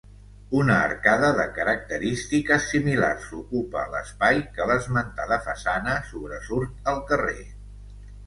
Una arcada de característiques similars ocupa l'espai que l'esmentada façana sobresurt al carrer.